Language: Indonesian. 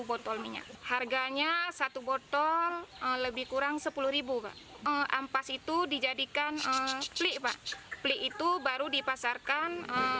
botol minyak harganya satu botol lebih kurang sepuluh ampas itu dijadikan plik itu baru dipasarkan